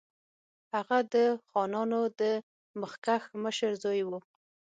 هغه د خانانو د مخکښ مشر زوی وو.